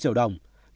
như đúng lời